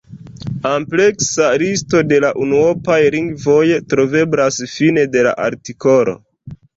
Ampleksa listo de la unuopaj lingvoj troveblas fine de la artikolo.